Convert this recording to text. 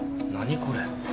何これ？